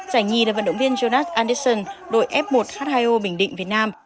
giải nhì là vận động viên jonas andeson đội f một h hai o bình định việt nam